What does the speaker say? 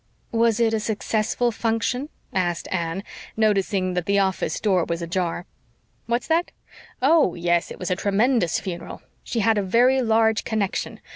"Was it a successful function?" asked Anne, noticing that the office door was ajar. "What's that? Oh, yes, it was a tremendous funeral. She had a very large connection.